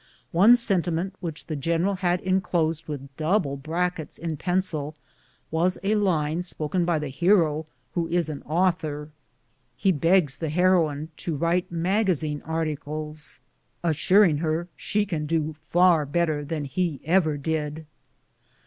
One sentiment which the general had enclosed with double brackets in pencil, was a line spoken by the hero, who is an author. He begs the heroine to write magazine articles, assuring her she can do far better than he ever did.